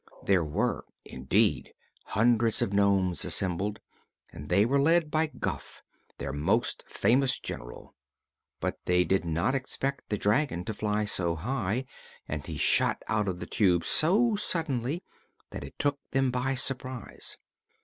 There were, indeed, hundreds of nomes assembled, and they were led by Guph, their most famous General. But they did not expect the dragon to fly so high, and he shot out of the Tube so suddenly that it took them by surprise.